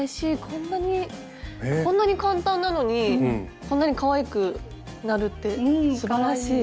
こんなに簡単なのにこんなにかわいくなるってすばらしい。